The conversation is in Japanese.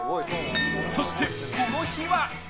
そして、この日は。